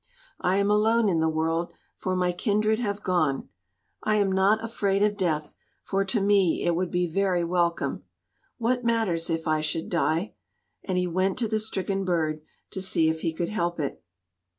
I am alone in the world, for my kindred have gone. I am not afraid of death, for to me it would be very welcome. What matters it if I should die?" And he went to the stricken bird to see if he could help it.